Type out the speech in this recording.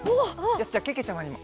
じゃあけけちゃまにも。